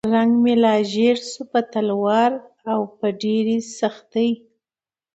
رنګ مې لا ژیړ شو په تلوار او په ډېرې سختۍ.